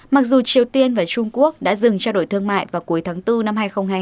mặc dù triều tiên và trung quốc đã dừng trao đổi thương mại vào cuối tháng bốn năm hai nghìn hai mươi hai